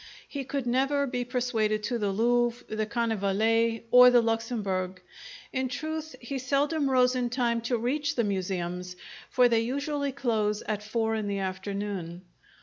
He could never be persuaded to the Louvre, the Carnavalet, or the Luxembourg; in truth, he seldom rose in time to reach the museums, for they usually close at four in the afternoon.